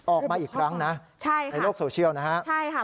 ออกมาอีกครั้งนะในโลกโซเชียลนะครับ